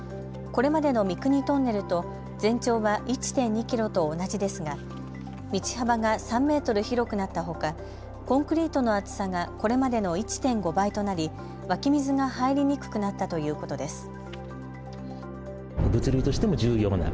これまでの三国トンネルと全長は１．２キロと同じですが道幅が３メートル広くなったほかコンクリートの厚さがこれまでの１．５倍となり湧き水が入りにくくなったということです。